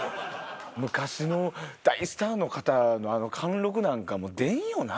昔の大スターの方の貫禄なんか出んよな。